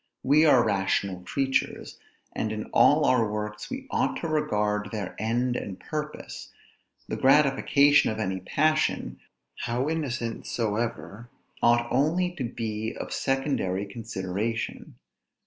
We are rational creatures, and in all our works we ought to regard their end and purpose; the gratification of any passion, how innocent soever, ought only to be of secondary consideration.